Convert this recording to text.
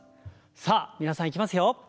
さあ皆さんいきますよ。